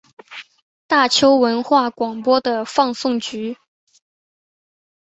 大邱文化广播的放送局。